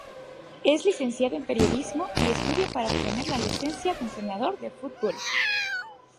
Es licenciado en Periodismo y estudia para obtener la licencia de entrenador de fútbol.